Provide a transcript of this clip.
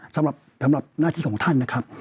สำหรับหน้าที่ของท่านนะครับ